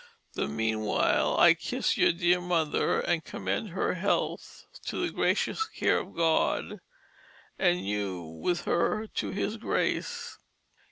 The meanwhile I kiss your dear Mother, and commend her health to the gracious care of God, and you with her to His Grace.